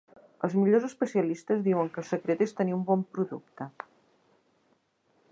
Els millors especialistes diuen que el secret és tenir un bon producte.